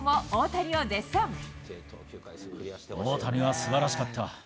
大谷はすばらしかった。